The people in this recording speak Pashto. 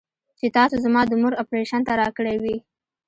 چې تاسو زما د مور اپرېشن ته راکړې وې.